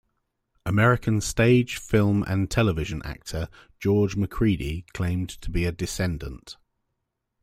American stage, film, and television actor George Macready claimed to be a descendant.